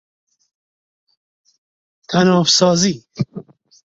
طناب سازی